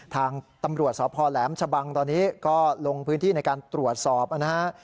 ทางตำรวจสพแหลมชะบังตอนนี้ก็ลงพื้นที่ในการตรวจสอบนะฮะ